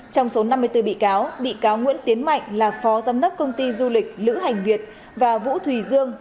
trong số năm mươi bốn bị cáo bị cáo nguyễn tiến mạnh là phó giám đốc công ty du lịch lữ hành việt và vũ thùy dương